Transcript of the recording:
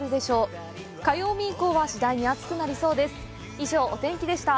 以上、お天気でした。